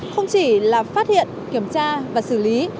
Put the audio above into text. không chỉ là phát hiện kiểm tra và xử lý